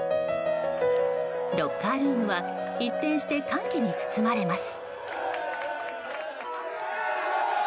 ロッカールームは一転して歓喜に包まれます。